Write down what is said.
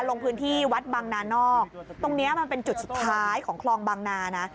ลงพื้นที่วัดบังนานอกตรงนี้มันเป็นจุดสุดท้ายของคลองบางนานะ